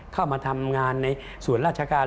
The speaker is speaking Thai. เข้ามาทำงานในส่วนราชการ